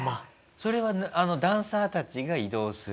それはダンサーたちが移動する。